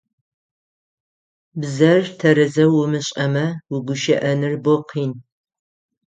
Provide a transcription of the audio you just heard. Бзэр тэрэзэу умышӏэмэ угущыӏэныр бо къин.